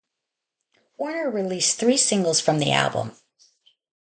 Warner released three singles from the album.